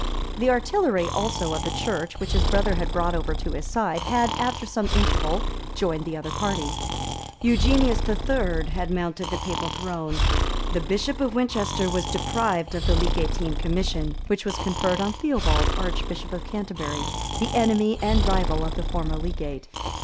The artillery, also, of the church, which his brother had brought over to his side, had, after some interval, joined the other party. Eugenius III. had mounted the papal throne; the bishop of Winchester was deprived of the legantine commission, which was conferred on Theobald, archbishop of Canterbury, the enemy and rival of the former legate.